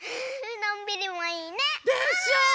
のんびりもいいね。でしょ？